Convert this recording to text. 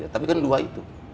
tapi kan dua itu